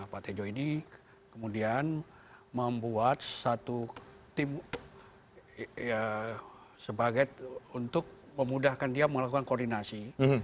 pak tejo ini kemudian membuat satu tim sebagai untuk memudahkan dia melakukan koordinasi